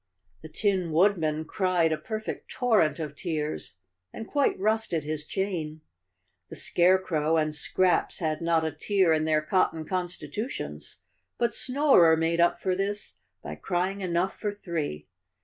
The Tin Woodman cried a perfect torrent of tears and quite rusted his chain. The Scarecrow and Scraps had not a tear in their cot¬ ton constitutions, but Snorer made up for this by cry¬ ing enough for three.